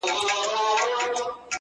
کډه وکړه هغه ښار ته چي آباد سې!.